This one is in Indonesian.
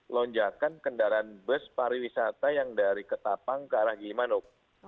lonjakan kendaraan bus pariwisata yang dari ketapang ke arah gilimanuk